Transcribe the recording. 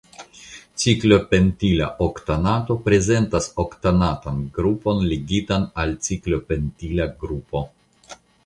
Ciklopentila oktanato prezentas oktanatan grupon ligitan al ciklopentila grupo.